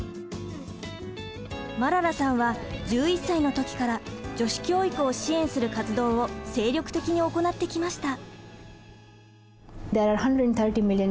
マララさんは１１歳の時から女子教育を支援する活動を精力的に行ってきました。